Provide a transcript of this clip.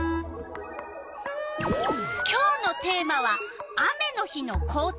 今日のテーマは「雨の日の校庭」。